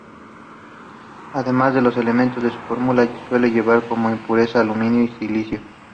Además de los elementos de su fórmula, suele llevar como impurezas: aluminio y silicio.